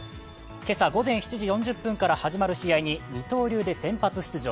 今朝午前７時４０分から始まる試合に二刀流で先発出場。